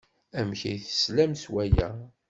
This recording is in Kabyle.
Amek ay teslam s waya?